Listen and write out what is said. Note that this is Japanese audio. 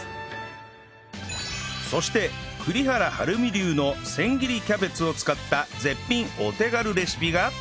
そして栗原はるみ流の千切りキャベツを使った絶品お手軽レシピが